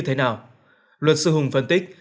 thế nào luật sư hùng phân tích